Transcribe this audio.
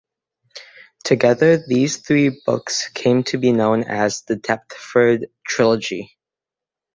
Together these three books came to be known as The Deptford Trilogy.